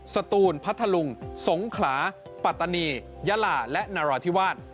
สตูนพัทธลุงสงขลาปัตตานียะลาและนราธิวาส